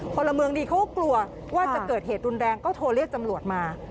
พลเมืองดีเขาก็กลัวว่าจะเกิดเหตุรุนแรงก็โทรเรียกจำรวจมา